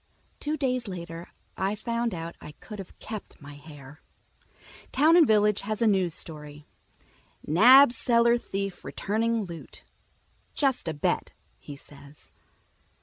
Two days later I find out I could've kept my hair. Town and Village has a new story: "Nab Cellar Thief Returning Loot. 'Just A Bet,' He Says."